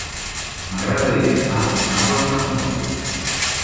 M'agradaria anar a Camarles amb moto.